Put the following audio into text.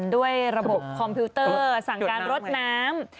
ด้วยระบบคอมพิวเตอร์สั่งการรถน้ำ